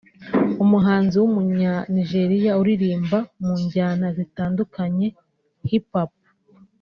umuhanzi w’Umunya-Nigeria uririmba mu njyana zitandukanye Hip Hop